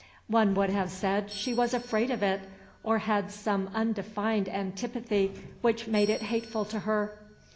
One would have said she was afraid of it, or had some undefined antipathy which made it hateful to her.